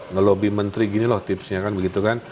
ngelobi menteri begini loh tipsnya